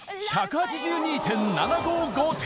１８２．７５５点！